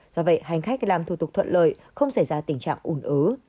do vậy hành khách làm thủ tục thuận lợi không xảy ra tình trạng ủn ứ